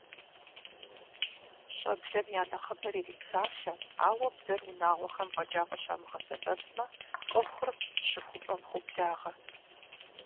ЩӀэблэм я нэхъыбэр ирипсалъэу, ауэ бзэр унагъуэхэм фӀэкӀа къыщамыгъэсэбэпмэ, Ӏуэхур щыхупӏэм хуоблагъэ.